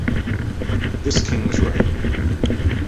This king's reign.